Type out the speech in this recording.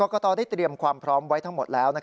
กตได้เตรียมความพร้อมไว้ทั้งหมดแล้ว